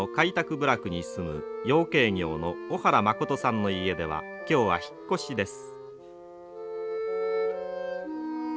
部落に住む養鶏業の小原誠さんの家では今日は引っ越しです。